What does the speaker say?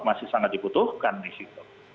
masih sangat dibutuhkan disitu